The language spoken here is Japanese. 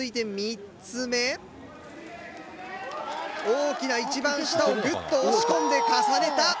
大きな一番下をぐっと押し込んで重ねた。